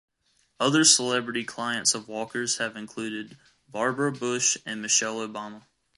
Other celebrity clients of Walker's have included Barbara Bush and Michelle Obama.